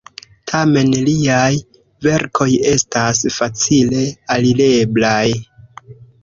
Tamen liaj verkoj estas facile alireblaj.